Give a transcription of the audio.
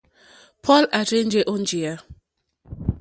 Paul à rzênjé ó njìyá.